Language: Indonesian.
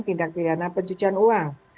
tindak pidana pencucian uang